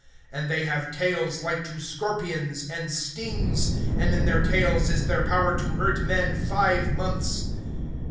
(10)And they have tails like to scorpions, and stings; and in their tails is their power to hurt men, five months.